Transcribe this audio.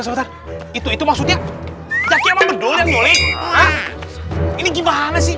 sebentar itu itu maksudnya kaki emang bedul yang nyulik hah ini gimana sih